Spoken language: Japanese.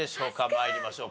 参りましょう。